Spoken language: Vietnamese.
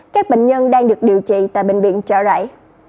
các bệnh nhân đang được điều trị tại bệnh viện trợ rải